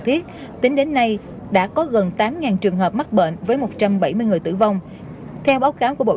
thiết tính đến nay đã có gần tám trường hợp mắc bệnh với một trăm bảy mươi người tử vong theo báo cáo của bộ